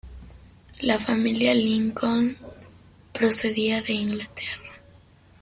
La familia Lincoln procedía de Inglaterra.